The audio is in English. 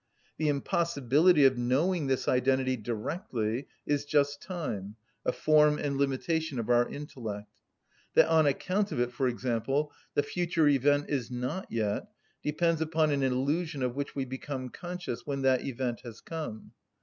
The impossibility of knowing this identity directly is just time, a form and limitation of our intellect. That on account of it, for example, the future event is not yet, depends upon an illusion of which we become conscious when that event has come.